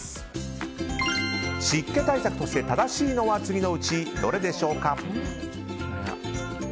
湿気対策として正しいのは次のうちどれでしょうか。